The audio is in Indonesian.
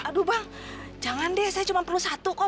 aduh bang jangan deh saya cuma perlu satu kok